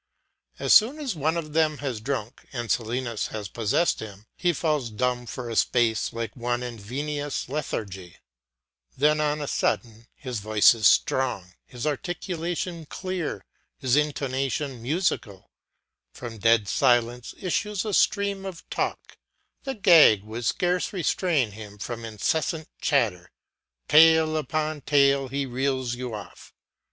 As soon as one of them has drunk, and Silenus has possessed him, he falls dumb for a space like one in vinous lethargy; then on a sudden his voice is strong, his articulation clear, his intonation musical; from dead silence issues a stream of talk; the gag would scarce restrain him from incessant chatter; tale upon tale he reels you off.